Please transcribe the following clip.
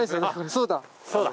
そうだ。